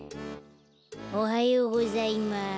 おはようございます。